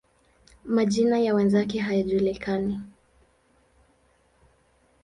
Majina ya wenzake hayajulikani.